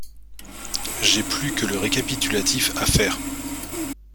J'ai plus que le récapitulatif à faire.